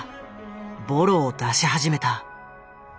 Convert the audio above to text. ボロを出し始めた。